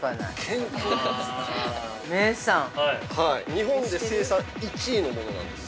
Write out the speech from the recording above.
◆日本で生産１位のものなんです。